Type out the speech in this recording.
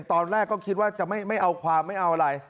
ตอนแรกก็คิดว่าจะไม่เอาความไม่เอาอะไร